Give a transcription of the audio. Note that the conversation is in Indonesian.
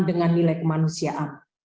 dengan nilai kemanusiaan